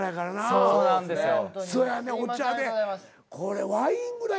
そうなんですよ。